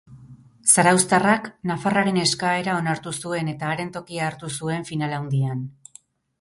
Zarauztarrak nafarraren eskaera onartu zuen, eta haren tokia hartu zuen final handian.